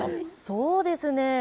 そうですね。